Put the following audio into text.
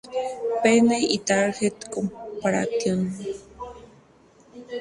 Penney y Target Corporation.